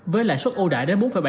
với lại suốt ưu đại đến bốn bảy